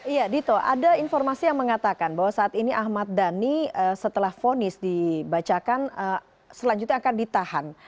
iya dito ada informasi yang mengatakan bahwa saat ini ahmad dhani setelah fonis dibacakan selanjutnya akan ditahan